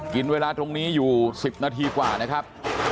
กินเวลาตรงนี้อยู่๑๐นาทีกว่านะครับ